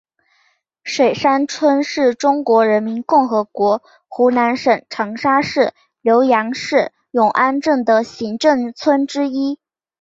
水山村是中华人民共和国湖南省长沙市浏阳市永安镇的行政村之一。